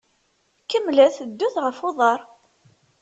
Kemmlet ddut ɣef uḍaṛ.